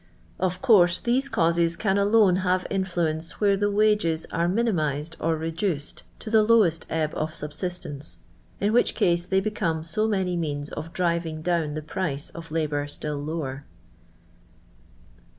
Of course these causes can alone have influence where the wages are viinxmized or reduced t<> the lowest ebb of subsistence, in which case they be conic so many means of driving down the price of labour still lower.